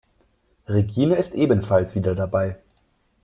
Regine ist ebenfalls wieder dabei.